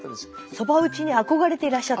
そば打ちに憧れていらっしゃった。